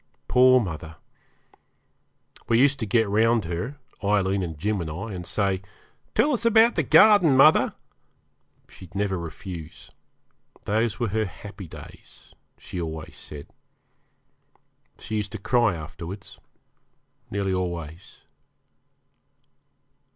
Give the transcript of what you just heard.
Poor mother! we used to get round her Aileen, and Jim, and I and say, 'Tell us about the garden, mother.' She'd never refuse; those were her happy days, she always said. She used to cry afterwards nearly always.